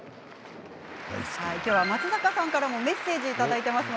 今回、松坂さんからもメッセージをいただいています。